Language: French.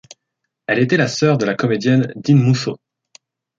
Elle était la sœur de la comédienne Dyne Mousso.